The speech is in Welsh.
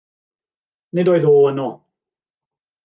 Nid oedd o yno.